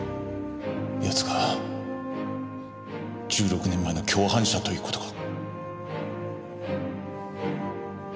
奴が１６年前の共犯者という事か？